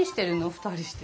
２人して。